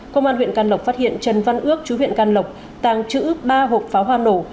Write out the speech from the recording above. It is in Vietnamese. công an huyện căn lộc phát hiện trần văn ước chú huyện căn lộc tàng chữ ba hộp pháo hoa nổ